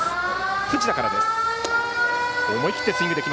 藤田からです。